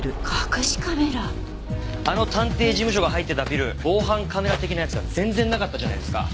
あの探偵事務所が入ってたビル防犯カメラ的なやつが全然なかったじゃないですか。